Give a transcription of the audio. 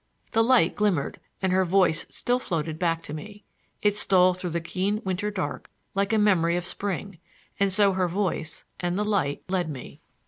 The light glimmered, and her voice still floated back to me. It stole through the keen winter dark like a memory of spring; and so her voice and the light led me.